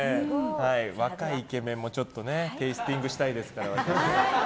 若いイケメンもテイスティングしたいですから。